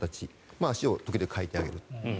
足を時々変えてあげると。